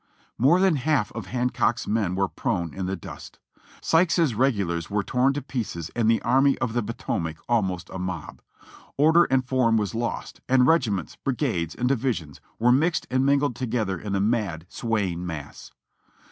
More than half of Hancock's men were prone in the dust. Sykes's Regulars were torn to pieces and the Army of the Po tomac almost a mob. Order and form was lost, and regiments, brigades, and divisions were mixed and mingled together in a mad, swaying mass.